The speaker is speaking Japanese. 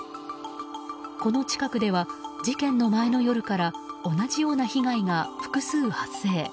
この近くでは、事件の前の夜から同じような被害が複数発生。